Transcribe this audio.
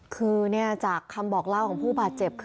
คือจากคำบอกเล่าของผู้บาดเจ็บคือ